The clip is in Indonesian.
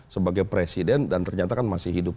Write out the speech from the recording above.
sebagai presiden dan ternyata kan masih hidup